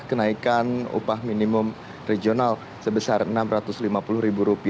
kenaikan upah minimum regional sebesar rp enam ratus lima puluh